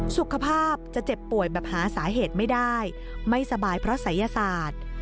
สุขภาพจะเจ็บป่วยแบบหาสาเหตุไม่ได้ไม่สบายเพราะศัยศาสตร์